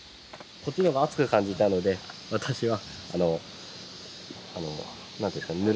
こっちの方が熱く感じたので私はあの何ていうんですかね